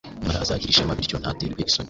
nyamara azagira ishema bityo ntaterwe isoni